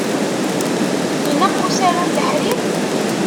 Ineqq usaru n leḥrir?